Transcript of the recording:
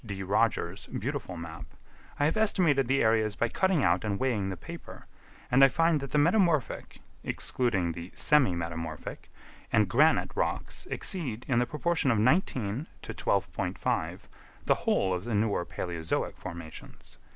D. Rogers' beautiful map, I have estimated the areas by cutting out and weighing the paper, and I find that the metamorphic (excluding the "semi metamorphic") and granite rocks exceed, in the proportion of 19 to 12.5, the whole of the newer Palæozoic formations.